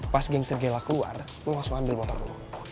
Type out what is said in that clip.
pas geng serigala keluar lu langsung ambil motor lu